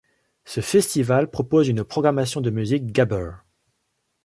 Ce festival propose une programmation de musique gabber.